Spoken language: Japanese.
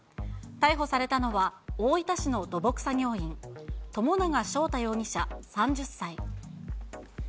逮捕されたのは、大分市の土木作業員、友永翔太容疑者３０歳。